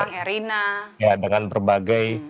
bang erina ya dengan berbagai